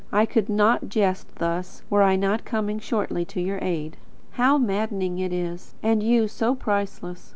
I could not jest thus, were I not coming shortly to your aid. How maddening it is! And you so priceless!